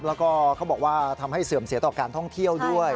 แล้วก็เขาบอกว่าทำให้เสื่อมเสียต่อการท่องเที่ยวด้วย